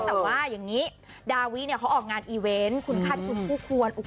แต่ว่าอย่างนี้ดาวิเขาออกงานอีเวนต์คุณค่าคุณผู้ควร